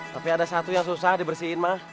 tapi ada satu yang susah dibersihin mah